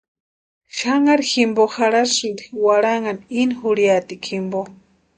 Xanharhu jimpo janhasïnti warhanhani ini juriatikwa jimpo.